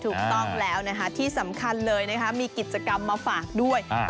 ถูกต้องแล้วนะคะที่สำคัญเลยนะคะมีกิจกรรมมาฝากด้วย